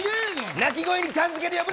鳴き声にちゃん付けで呼ぶな。